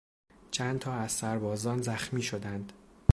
چند تا از سربازان زخمی شدند.